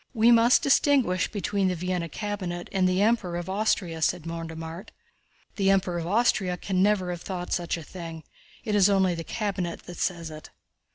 "We must distinguish between the Vienna cabinet and the Emperor of Austria," said Mortemart. "The Emperor of Austria can never have thought of such a thing, it is only the cabinet that says it."